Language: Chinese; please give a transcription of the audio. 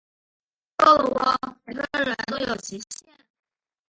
够了喔，每个人都有极限